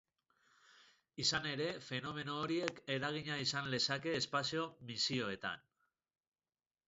Izan ere, fenomeno horiek eragina izan lezakete espazio-misioetan.